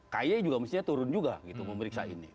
kay juga mestinya turun juga gitu memeriksa ini